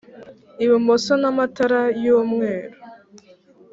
ibumoso n' amatara y' umweru